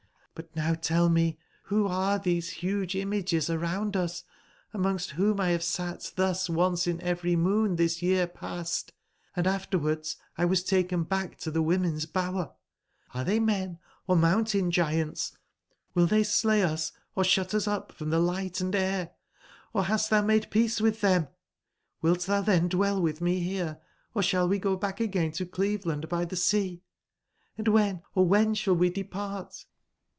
m4 167 But now tell mc, who arc these huge images around us, amongst whom 1 have sat thus, once in every moon this year past, & afterwards X was tahen back to the women's bower? Hre they men or mountain giants? (Hill they slay us, or shut us up from the light and air? Or hast thou made peace with them? CQilt thou then dwell with me here, or shall we go bach again to Cleveland by the Sea? Hnd when, oh, when shall we depart?"